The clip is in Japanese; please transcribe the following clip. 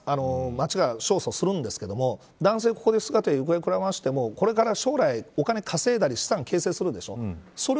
町が勝訴するんですけど男性がここで姿をくらましてもこれから将来、お金を稼いで資産を形成するでしょ。